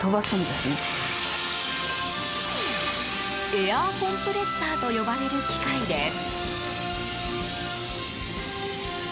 エアコンプレッサーと呼ばれる機械です。